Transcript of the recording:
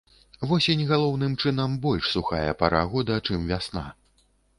Восень, галоўным чынам, больш сухая пара года, чым вясна.